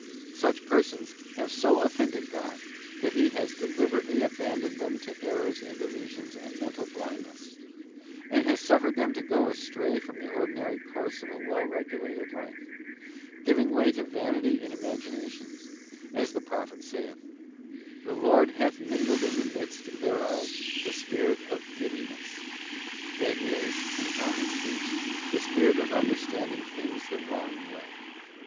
Such persons have so offended God, that He has deliberately abandoned them to errors and delusions and mental blind ness; and has suffered them to go astray from the ordinary course of a well regulated life, giving way to vanity and imaginations, as the Prophet saith: ' The Lord hath mingled in the midst thereof the spirit of giddiness,' * that is, in common speech, the spirit of understanding things the wrong way.